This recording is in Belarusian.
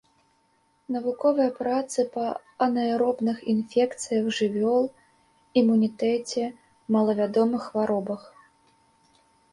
Навуковыя працы па анаэробных інфекцыях жывёл, імунітэце, малавядомых хваробах.